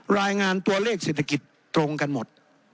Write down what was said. รายงานตัวเลขเศรษฐกิจตรงกันหมด